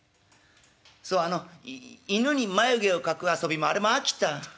そうあの犬に眉毛を描く遊びもあれも飽きた。